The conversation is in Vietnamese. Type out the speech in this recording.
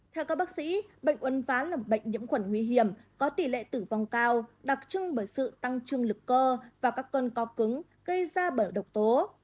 theo các bác sĩ bệnh uấn ván là một bệnh nhiễm khuẩn nguy hiểm có tỷ lệ tử vong cao đặc trưng bởi sự tăng trương lực cơ và các cơn co cứng gây ra bởi độc tố